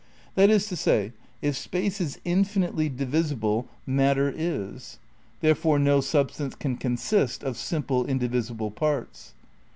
That ia to say, if space is infinitely divisible, matter is. There fore no substance can consist of simple, indivisible parts.